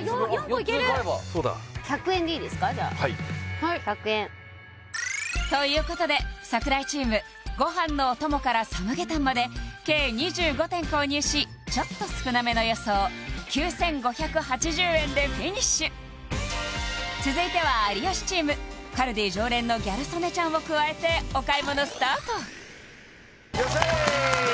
４個いける１００円でいいですかじゃあ１００円ということで櫻井チームご飯のお供からサムゲタンまで計２５点購入しちょっと少なめの予想９５８０円でフィニッシュ続いては有吉チームカルディ常連のギャル曽根ちゃんを加えてお買い物スタートいらっしゃい！